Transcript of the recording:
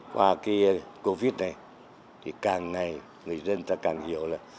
qua cái covid này thì càng ngày người dân ta càng hiểu là